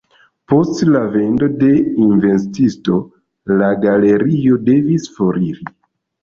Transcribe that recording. Post la vendo al invenstisto la galerio devis foriri.